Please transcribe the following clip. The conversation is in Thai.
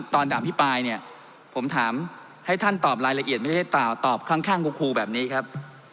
ตอนถามพี่ปลายเนี่ยผมถามให้ท่านตอบรายละเอียดไม่ใช่ต่อตอบค่อนข้างคูแบบนี้ครับ